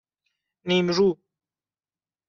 نیمرو